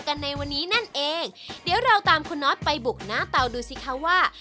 ในวันนี้นั่นเองเดี๋ยวเราตามคุณน็อตไปบุกหน้าเตาดูสิคะว่า